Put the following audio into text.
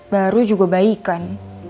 baru juga baik kan